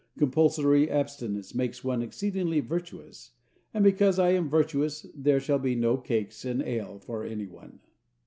Compulsory abstinence makes one exceedingly virtuous, and because I am virtuous there shall be no cakes and ale for any one.